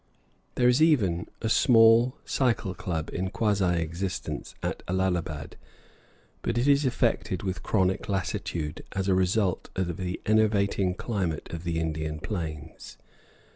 There is even a small cycle club in quasi existence at Allahabad; but it is afflicted with chronic lassitude, as a result of the enervating climate of the Indian plains.